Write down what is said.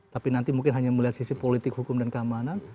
tapi nanti mungkin hanya melihat sisi politik hukum dan keamanan